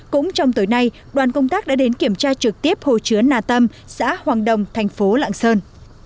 cũng trong tối nay đoàn công tác đã đến kiểm tra trực tiếp hồ chứa nà tâm xã hoàng đồng thành phố lạng sơn